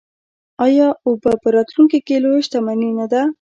آیا اوبه په راتلونکي کې لویه شتمني نه ده؟